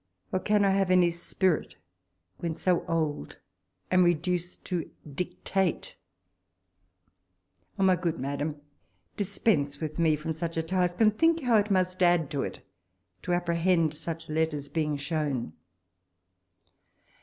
or can I have any spirit when so old and reduced to dictate 1 Oh ! my good Madam, dispense with me from such a task, and think how it must add to it to apprehend such letters being shown.